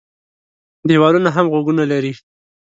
دېوالونه هم غوږونه لري.